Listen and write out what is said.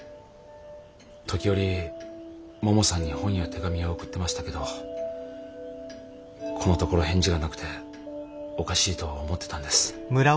時折ももさんに本や手紙は送ってましたけどこのところ返事がなくておかしいと思ってたんです。